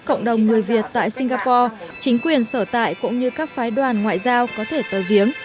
cộng đồng người việt tại singapore chính quyền sở tại cũng như các phái đoàn ngoại giao có thể tờ viếng